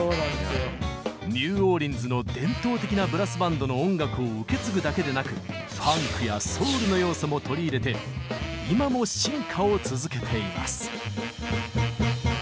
ニューオーリンズの伝統的なブラスバンドの音楽を受け継ぐだけでなくファンクやソウルの要素も取り入れて今も進化を続けています。